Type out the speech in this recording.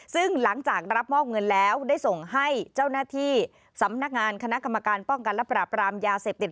ซึ่งหลังจากรับมอบเงินแล้วได้ส่งให้เจ้าหน้าที่สำนักงานคณะกรรมการป้องกันและปราบรามยาเสพติด